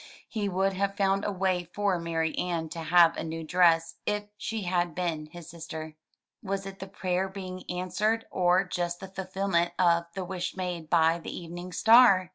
"He would have found a way for Marianne to have a new dress if she had been his sister." Was it the prayer being answered, or just the fulfillment of the wish made by the evening star?